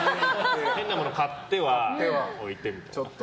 変なもの買っては置いてみたいな。